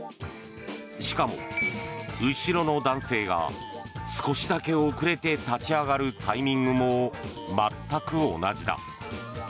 しかも、後ろの男性が少しだけ遅れて立ち上がるタイミングも全く同じだ。